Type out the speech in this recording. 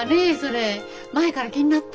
前から気になってたのよ。